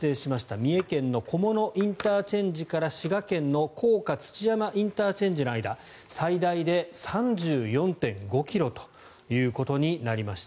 三重県の菰野ＩＣから滋賀県の甲賀土山ＩＣの間最大で３４．５ｋｍということになりました。